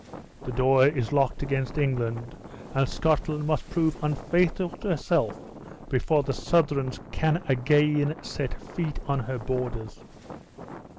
The door is locked against England, and Scotland must prove unfaithful to herself before the Southrons can again set feet on her borders."